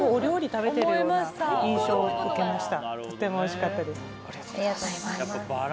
食べてるような印象を受けました